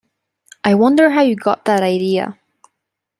I wonder how you got that idea!